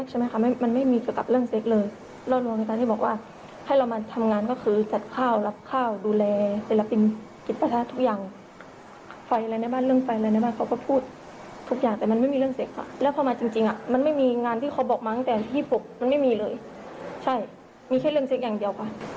หนึ่งคนแน่นอนค่ะคนที่โดนมาทุกคนเป็นแฟนคลับหมดเลย